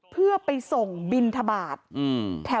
เพื่อไปส่งบินทบาท